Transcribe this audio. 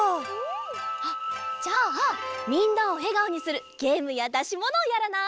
あっじゃあみんなをえがおにするゲームやだしものをやらない？